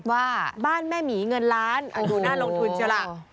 ว่าบ้านแม่หมีเงินล้านน่าร่มทุนจริงละ